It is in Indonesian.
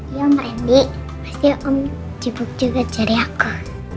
iya om randy pasti om jepuk juga jari aku